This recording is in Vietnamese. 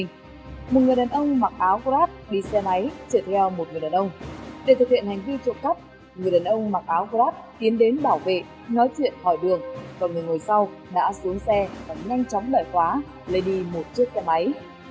người ngồi sau đã xuống xe và nhanh chóng đòi khóa lấy đi một chiếc xe máy